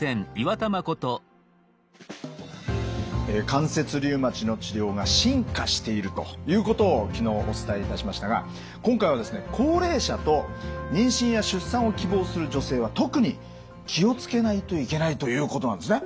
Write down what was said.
関節リウマチの治療が進化しているということを昨日お伝えいたしましたが今回はですね高齢者と妊娠や出産を希望する女性は特に気を付けないといけないということなんですね？